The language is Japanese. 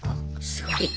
すごい。